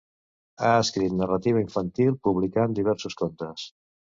Ha escrit narrativa infantil, publicant diversos contes.